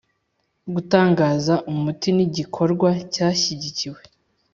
Gutanga umuti ni igikorwa cyashyigikiwe